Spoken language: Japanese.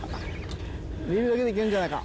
リールだけでいけるんじゃないか